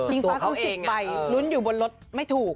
ฟ้าเขา๑๐ใบลุ้นอยู่บนรถไม่ถูก